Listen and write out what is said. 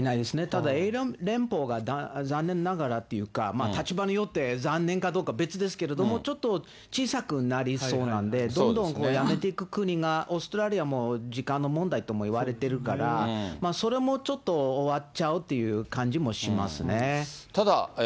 ただイギリス連邦が残念ながらというか、立場によって残念かどうか別ですけれども、ちょっと小さくなりそうなんで、どんどんやめていく国が、オーストラリアも時間の問題ともいわれてるから、それもちょっと終わっちゃうっていう感じもしますね。